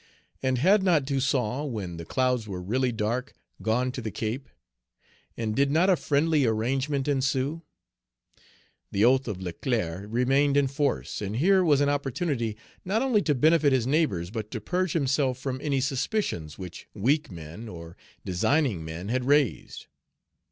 And had not Toussaint, when the clouds were really dark, gone to the Cape? And did not a friendly arrangement ensue? The oath of Leclerc remained in force. And here was an opportunity not only to benefit his neighbors, but to purge himself from any suspicions which weak men, or designing men, had raised.